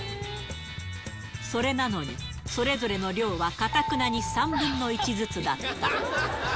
それなのに、それぞれの量はかたくなに３分の１ずつだった。